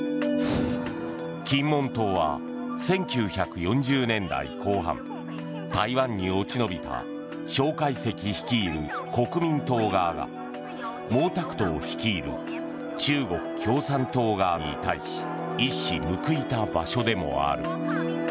金門島は１９４０年代後半台湾に落ち延びた蒋介石率いる国民党側が毛沢東率いる中国共産党側に対し一矢報いた場所でもある。